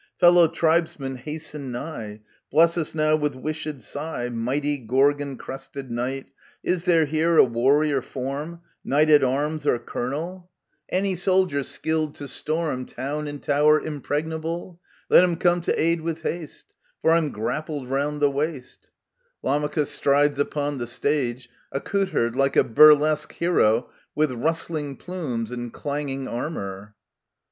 Fellow tribesman, hasten nigh !" Bless us now with wished sight !" Mighty, Gorgon crested knight ! Is there here a warrior form, Knight at arms or colonel ? The Acharnians of Aristophanes, 29 Any soldier skilled to storm Town and tower impregnable?— Let him come to aid with haste, — For I'm grappled round the waist I [Lamachus strides upon the stage, accoutred like a burlesque hero with rustling plumes and e/aiiging armour.